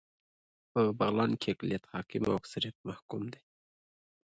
په بغلان کې اقليت حاکم او اکثريت محکوم و